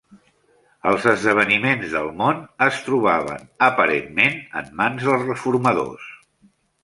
Els esdeveniments del món es trobaven, aparentment, en mans dels reformadors.